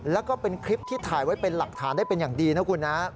แล้วก็เป็นคลิปที่ถ่ายไว้เป็นหลักฐานได้เป็นอย่างดีนะคุณนะ